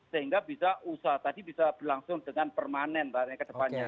sehingga bisa usaha tadi bisa berlangsung dengan permanen ke depannya